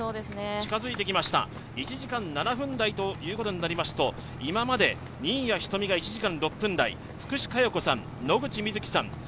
近づいてきました、１時間７分台ということになりますと、今まで、新谷仁美が１時間６分台福士加代子さん、野口みずきさん